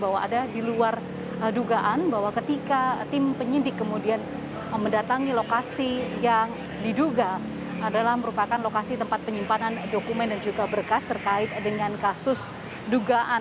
bahwa ada di luar dugaan bahwa ketika tim penyidik kemudian mendatangi lokasi yang diduga adalah merupakan lokasi tempat penyimpanan dokumen dan juga berkas terkait dengan kasus dugaan